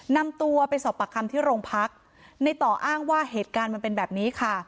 นำตัวไปสอบปากคำที่โรงพักในต่ออ้างว่าเหตุการณ์มันเป็นแบบนี้ค่ะ